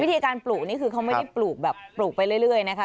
วิธีการปลูกนี่คือเขาไม่ได้ปลูกแบบปลูกไปเรื่อยนะคะ